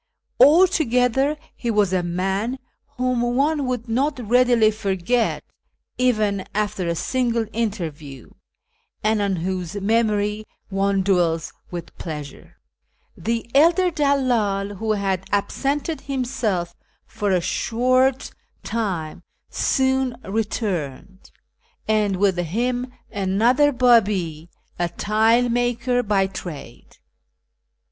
Altogether he M as a man whom one would not readily forget, even after a single interview, and on M'hose memory one dM'ells with pleasure. The elder dallcd, M'ho had absented himself for a short ISFAHAN :ii time, soon returned, and with him another Babi, a tile maker by trade.